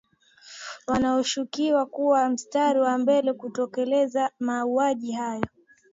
wanaoshukiwa kuwa mstari wa mbele kutekeleza mauaji hayo